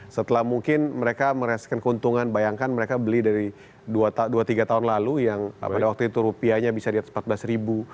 setelah mungkin mereka mereskan keuntungan bayangkan mereka beli dari dua tiga tahun lalu yang pada waktu itu rupiahnya bisa di atas empat belas ribu